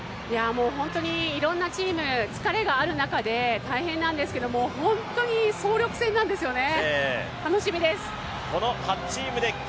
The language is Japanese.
本当にいろんなチーム疲れがある中で大変なんですけど本当に総力戦なんですよね。